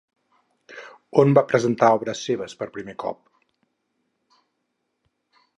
On va presentar obres seves per primer cop?